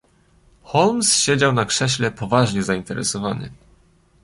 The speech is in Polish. "Holmes siedział na krześle poważnie zainteresowany."